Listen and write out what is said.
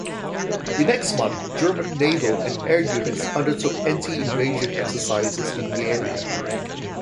The next month, German naval and air units undertook anti-invasion exercises in the area.